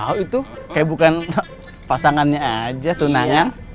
oh itu kayak bukan pasangannya aja tunangan